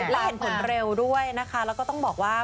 และเห็นผลเร็วด้วยนะคะแล้วก็ต้องบอกว่า